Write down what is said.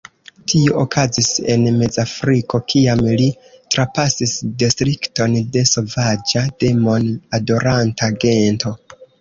Tio okazis en Mezafriko, kiam li trapasis distrikton de sovaĝa, demon-adoranta gento.